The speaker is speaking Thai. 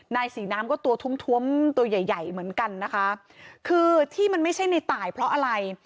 นายศรีน้ำก็ตัวทุ่มท้วมตัวใหญ่ใหญ่เหมือนกันนะคะคือที่มันไม่ใช่ในตายเพราะอะไร